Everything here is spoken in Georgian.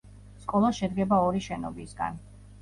სკოლა შედგება ორი შენობისგან.